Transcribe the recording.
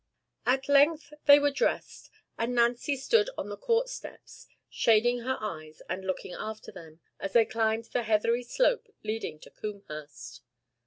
At length they were dressed, and Nancy stood on the court steps, shading her eyes, and looking after them, as they climbed the heathery slope leading to Combehurst.